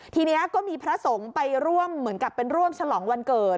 ทีนี้ก็มีพระสงฆ์ไปร่วมเหมือนกับเป็นร่วมฉลองวันเกิด